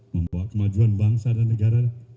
membawa kemajuan bangsa dan negara